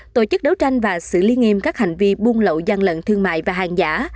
tổ chức đấu tranh và xử lý nghiêm các hành vi buôn lậu gian lận thương mại và hàng giả